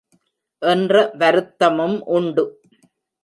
என்ற வருத்தமும் உண்டு.